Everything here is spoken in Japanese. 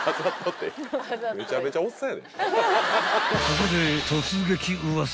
［ここで］